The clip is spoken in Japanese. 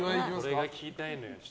これが聞きたいのよ。